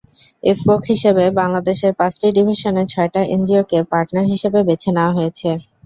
Spoke হিসেবে বাংলাদেশের পাঁচটি ডিভিশনে ছয়টা এনজিওকে পার্টনার হিসেবে বেছে নেওয়া হয়েছে।